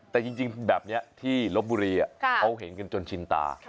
แต่จริงแบบนี้ที่ลบบุรีเขาเห็นกันจนชินตา